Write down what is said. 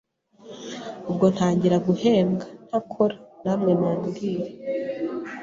ubwo ntangira guhembwa ntakora namwe mumbwire